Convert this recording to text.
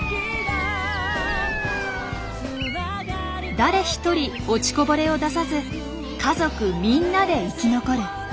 誰一人落ちこぼれを出さず家族みんなで生き残る。